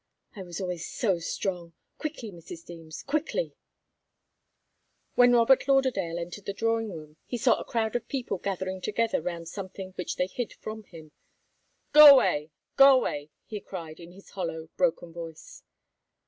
I was always so strong! Quickly, Mrs. Deems quickly." When Robert Lauderdale entered the drawing room, he saw a crowd of people gathering together round something which they hid from him. "Go away! Go away!" he cried, in his hollow, broken voice.